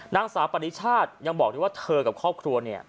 นางสาวปริชาติยังบอกด้วยว่าเธอกับครอบครัวเนี่ย